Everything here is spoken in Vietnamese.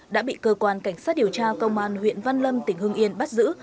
đã bị cơ quan cảnh sát điều tra công an huyện văn lâm tỉnh hưng yên bắt giữ